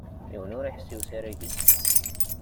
Yiwen ur iḥess i usarag-is.